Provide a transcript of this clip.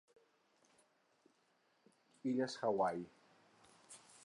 Illes Hawaii.